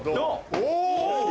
お！